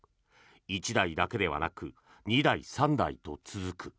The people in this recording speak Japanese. １台だけではなく２台、３台と続く。